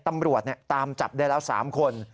ตำรวจตามจับได้แล้ว๓คน